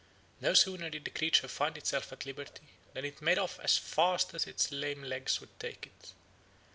No sooner did the creature find itself at liberty than it made off as fast as its lame legs would take it.